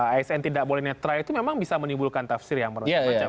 asn tidak boleh netral itu memang bisa menimbulkan tafsir yang menurut semacam